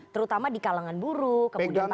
terutama di kalangan buruk kemudian para pekerja